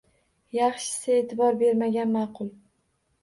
Yaxshisi, e`tibor bermagan ma`qul